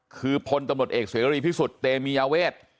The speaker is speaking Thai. คือพลตำรวจเอกเสรีพิสุทธิ์เตมียาเวท